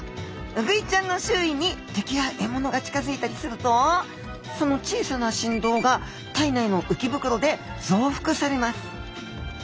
ウグイちゃんの周囲に敵や獲物が近づいたりするとその小さなしんどうが体内のうきぶくろでぞうふくされます。